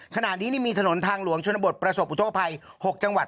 ขณะนี้มีถนนทางหลวงชนบทประสบอุทธกภัย๖จังหวัด